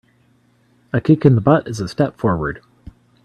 A kick in the butt is a step forward.